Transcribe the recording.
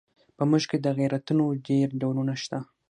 په موږ کې د غیرتونو ډېر ډولونه شته.